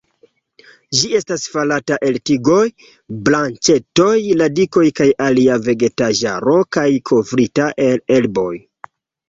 Ĝi estas farata el tigoj, branĉetoj, radikoj kaj alia vegetaĵaro kaj kovrita el herboj.